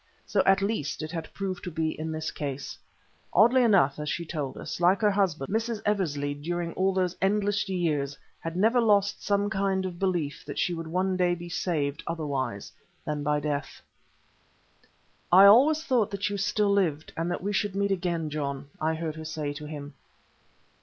So at least it had proved to be in this case. Oddly enough, as she told us, like her husband, Mrs. Eversley during all those endless years had never lost some kind of belief that she would one day be saved otherwise than by death. "I always thought that you still lived and that we should meet again, John," I heard her say to him.